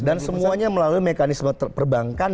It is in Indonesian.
dan semuanya melalui mekanisme terperbankan